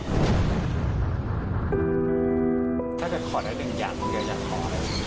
ถ้าจะขอแต่๑อย่างอยากขออะไร